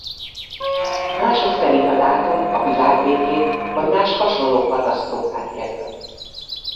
Mások szerint a dátum a világ végét vagy más hasonló katasztrófát jelölt.